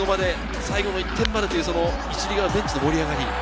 最後の１点までという１塁側のベンチの盛り上がり。